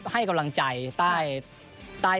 ให้กำลังใจใต้